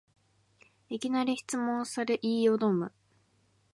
いきなり質問され言いよどむ